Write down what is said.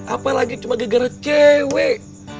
apalagi cuma gara gara cewek